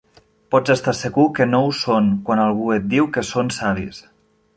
Pots estar segur que no ho són quan algú et diu que són savis.